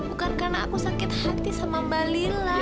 bukan karena aku sakit hati sama mbak lila